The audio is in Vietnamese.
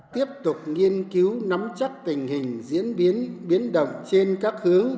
tiếp tục nghiên cứu nắm chắc tình hình diễn biến biến động trên các hướng